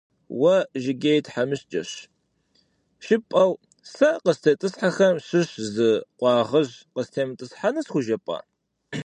Уэ Жыгей тхьэмыщкӀэщ, жыпӀэу сэ къыстетӀысхьэхэм щыщ зы къуаргъыжь къыстемытӀысхьэну схужепӀа?!